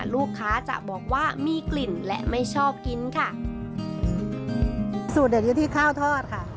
ลูกค้าจะบอกว่ามีกลิ่นและไม่ชอบกินค่ะสูตรเด็ดอยู่ที่ข้าวทอดค่ะ